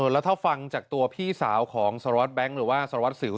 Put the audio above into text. แล้วถ้าฟังจากตัวพี่สาวของสารวัตรแบงค์หรือว่าสารวัสสิว